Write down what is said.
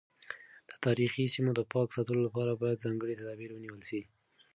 د تاریخي سیمو د پاک ساتلو لپاره باید ځانګړي تدابیر ونیول شي.